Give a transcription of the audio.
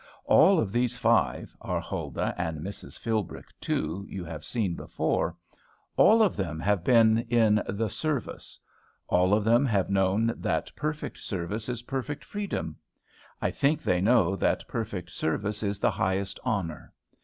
All of these five, our Huldah and Mrs. Philbrick too, you have seen before, all of them have been in "the service;" all of them have known that perfect service is perfect freedom. I think they know that perfect service is the highest honor.